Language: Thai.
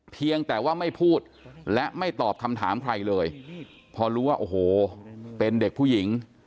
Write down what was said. เพียงแต่ว่าไม่พูดและไม่ตอบคำถามใครเลยพอรู้ว่าโอ้โหเป็นเด็กผู้หญิง